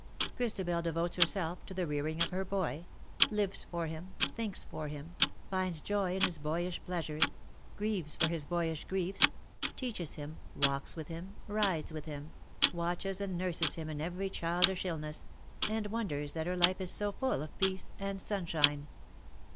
Christabel devotes herself to the rearing of her boy, lives for him, thinks for him, finds joy in his boyish pleasures, grieves for his boyish griefs, teaches him, walks with him, rides with him, watches and nurses him in every childish illness, and wonders that her life is so full of peace and sunshine.